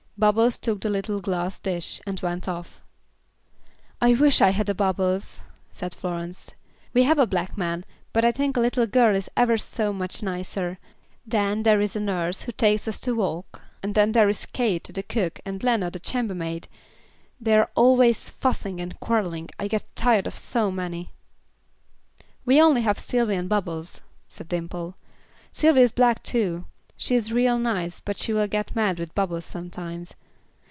Bubbles took the little glass dish, and went off. "I wish I had a Bubbles," said Florence. "We have a black man, but I think a little girl is ever so much nicer; then there is nurse, she takes us to walk; and then there is Kate, the cook, and Lena, the chambermaid, they are always fussing and quarreling. I get tired of so many." "We only have Sylvy and Bubbles," said Dimple. "Sylvy is black too; she is real nice but she will get mad with Bubbles sometimes.